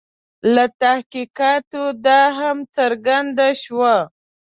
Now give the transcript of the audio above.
له تحقیقاتو دا هم څرګنده شوه.